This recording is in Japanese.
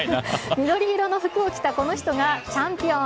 緑色の服を着たこの人がチャンピオン。